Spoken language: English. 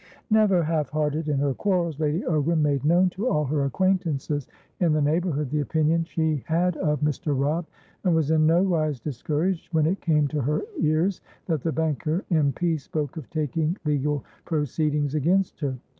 Never half hearted in her quarrels, Lady Ogram made known to all her acquaintances in the neighbourhood the opinion she had of Mr. Robb, and was in no wise discouraged when it came to her ears that the banker M. P. spoke of taking legal proceedings against her.